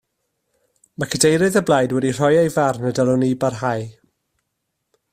Mae cadeirydd y blaid wedi rhoi ei farn y dylwn i barhau